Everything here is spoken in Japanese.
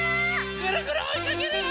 ぐるぐるおいかけるよ！